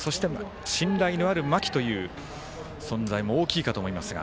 信頼のある間木という存在かと思いますが。